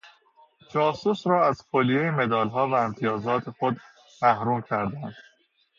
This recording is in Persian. جاسوس را از کلیهی مدالها و امتیازات خود محروم کردند.